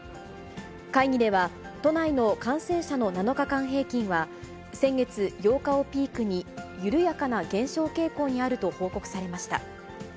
会議では、都内の感染者の７日間平均は、先月８日をピークに、緩やかな減少傾向にあると報告されました。